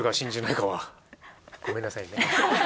ごめんなさいね。